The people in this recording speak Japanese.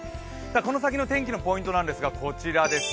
この先の天気のポイント、こちらです。